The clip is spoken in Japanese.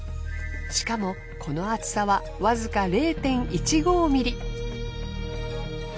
しかもこの厚さはわずか０．１５ｍｍ。